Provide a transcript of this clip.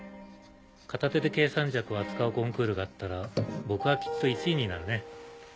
片手で計算尺を扱うコンクールがあったら僕はきっと１位になるね。